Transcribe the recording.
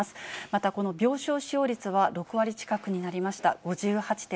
また、この病床使用率は、６割近くになりました。